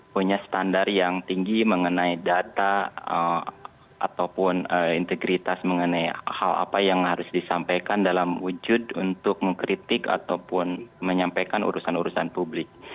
punya standar yang tinggi mengenai data ataupun integritas mengenai hal apa yang harus disampaikan dalam wujud untuk mengkritik ataupun menyampaikan urusan urusan publik